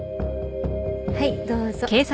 はいどうぞ。